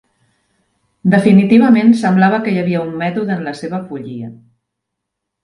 "Definitivament semblava que hi havia un mètode en la seva follia".